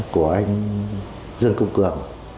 của anh dương công cường